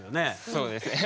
そうです。